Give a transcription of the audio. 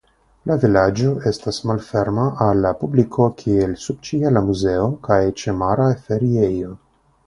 La vilaĝo estas malferma al la publiko kiel subĉiela muzeo kaj ĉemara feriejo.